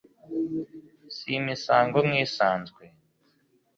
si imisango nk'isanzwe